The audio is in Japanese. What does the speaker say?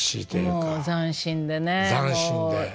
もう斬新でね。